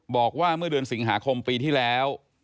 บอกว่าเมื่อเดือนสิงหาคมปีที่แล้ว